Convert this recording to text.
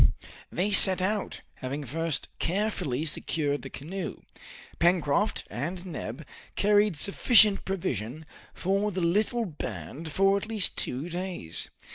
They set out, having first carefully secured the canoe. Pencroft and Neb carried sufficient provision for the little band for at least two days.